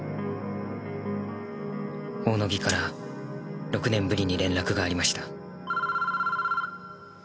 大野木から６年ぶりに連絡がありました。